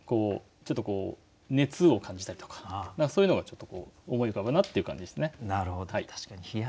ちょっとこう熱を感じたりとかそういうのがちょっとこう思い浮かぶなっていう感じですね。